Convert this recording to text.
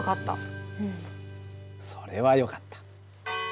それはよかった。